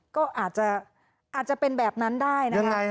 ก็อาจจะเป็นแบบนั้นได้นะคะ